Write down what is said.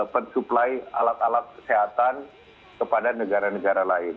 pen supply alat alat kesehatan kepada negara negara lain